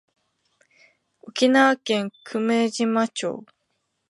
沖縄県久米島町